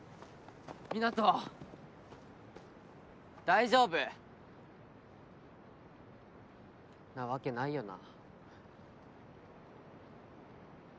大丈夫？なわけないよな。